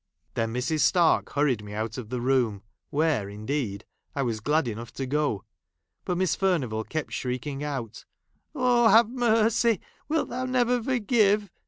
Then, I Ml'S. Stark hurried me out of the room ;! where, indeed, I was glad enough to go ; but Miss Furnivall kept shrieking out, " Oh ! have mercy ! Wilt Thou never forgive